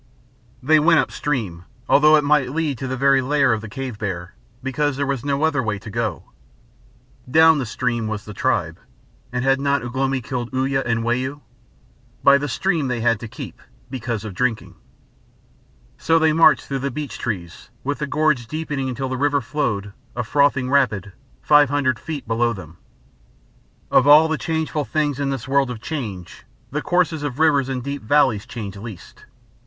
They went up stream, although it might lead to the very lair of the cave bear, because there was no other way to go. Down the stream was the tribe, and had not Ugh lomi killed Uya and Wau? By the stream they had to keep because of drinking. So they marched through beech trees, with the gorge deepening until the river flowed, a frothing rapid, five hundred feet below them. Of all the changeful things in this world of change, the courses of rivers in deep valleys change least.